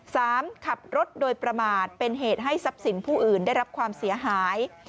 ขับรถโดยประมาทเป็นเหตุให้ทรัพย์สินผู้อื่นได้รับความเสียหาย